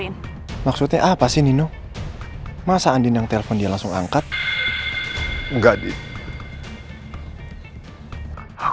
iya ncus ke kamar mandi dulu bentar ya nak